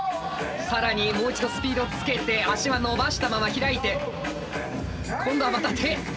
更にもう一度スピードをつけて脚は伸ばしたまま開いて今度はまた手。